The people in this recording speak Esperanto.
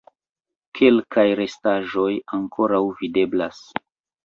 Kelkaj restaĵoj ankoraŭ videblas.